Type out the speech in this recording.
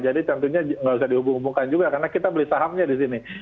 jadi tentunya nggak usah dihubung hubungkan juga karena kita beli sahamnya di sini